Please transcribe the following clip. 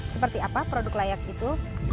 seperti apa produk layak itu